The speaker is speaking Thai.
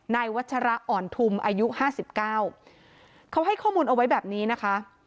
นายวัชรอ่อนทุมอายุ๕๙เขาให้ข้อมูลเอาไว้แบบนี้นะคะ